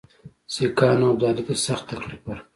سیکهانو ابدالي ته سخت تکلیف ورکړ.